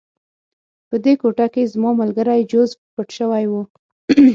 په دې کوټه کې زما ملګری جوزف پټ شوی و